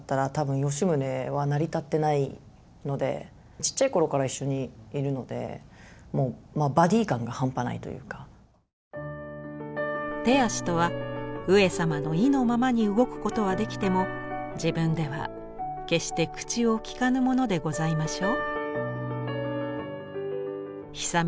ちっちゃい頃から一緒にいるので「手足とは上様の意のままに動く事はできても自分では決して口をきかぬものでございましょう？」。